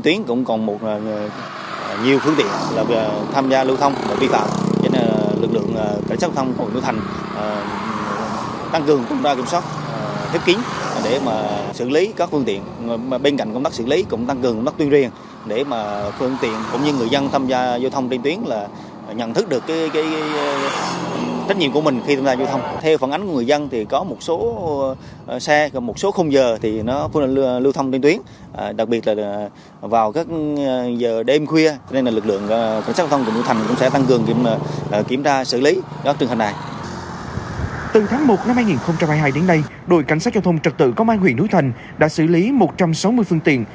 từ tháng một năm hai nghìn hai mươi hai đến nay đội cảnh sát giao thông trật tự công an huyện núi thành đã xử lý một trăm sáu mươi phương tiện